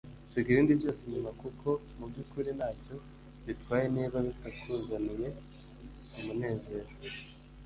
Siga ibindi byose inyuma kuko mubyukuri ntacyo bitwaye niba bitakuzaniye umunezero. ”